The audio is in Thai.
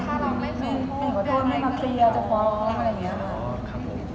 ถ้าเราไม่ขอโทษไม่มาเพลียจะบอก